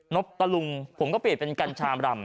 บตะลุงผมก็เปลี่ยนเป็นกัญชามรำ